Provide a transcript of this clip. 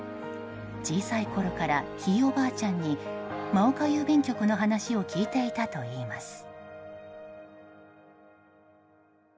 小さいころからひいおばあちゃんに真岡郵便局の話を聞いていたといいます。